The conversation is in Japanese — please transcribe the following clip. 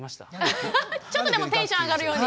ちょっとでもテンション上がるように？